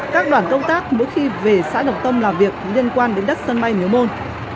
các đoàn công tác mỗi khi về xã đồng tâm làm việc liên quan đến đất sân bay miếu môn